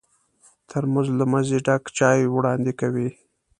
ترموز له مزې ډک چای وړاندې کوي.